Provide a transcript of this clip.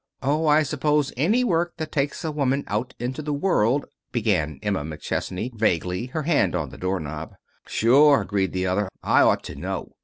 "Oh, I suppose any work that takes a woman out into the world " began Emma McChesney vaguely, her hand on the door knob. "Sure," agreed the other. "I ought to know.